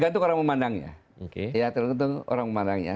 tergantung orang memandangnya